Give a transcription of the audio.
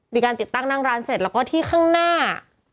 มีการติดตั้งนั่งร้านเสร็จแล้วก็ที่ข้างหน้า